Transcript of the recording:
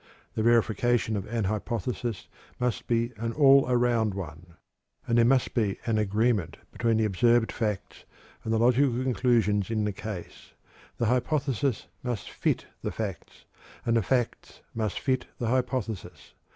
The verification of an hypothesis must be "an all around one," and there must be an agreement between the observed facts and the logical conclusions in the case the hypothesis must "fit" the facts, and the facts must "fit" the hypothesis.